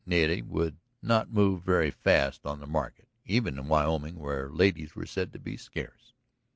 Nettie would not move very fast on the market, even in Wyoming, where ladies were said to be scarce.